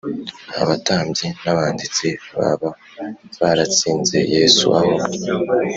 abatambyi n’abanditsi baba baratsinze Yesu aho